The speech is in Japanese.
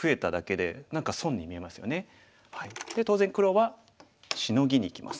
で当然黒はシノギにきます。